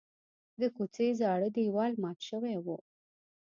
د کوڅې زاړه دیوال مات شوی و.